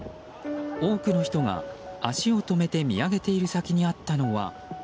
多くの人が足を止めて見上げている先にあったのは。